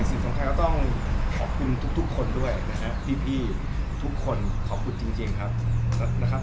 สิ่งสำคัญก็ต้องขอบคุณทุกคนด้วยทุกคนขอบคุณจริงนะครับ